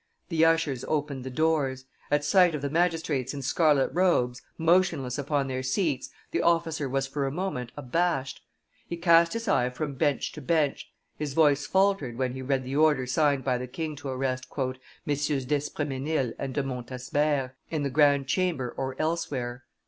The ushers opened the doors; at sight of the magistrates in scarlet robes, motionless upon their seats, the officer was for a moment abashed; he cast his eye from bench to bench, his voice faltered when he read the order signed by the king to arrest "MM. d'Espremesnil and De Montsabert, in the grand chamber or elsewhere."